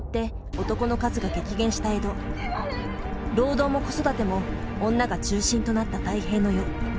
労働も子育ても女が中心となった太平の世。